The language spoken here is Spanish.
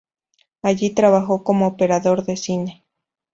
Allí trabajó como operador de cine.